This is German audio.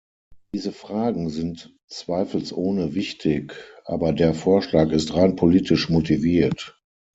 Diese Fragen sind zweifelsohne wichtig, aber der Vorschlag ist rein politisch motiviert.